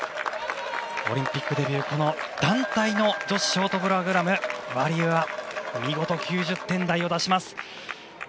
オリンピックデビュー団体の女子ショートプログラムワリエワ見事９０点台を出します。